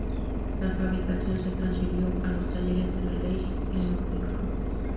La fabricación se transfirió a los talleres de Raleigh en Nottingham.